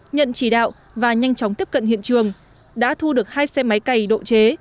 nhận chỉ đạo và nhanh chóng tiếp cận hiện trường đã thu được hai xe máy cày độ chế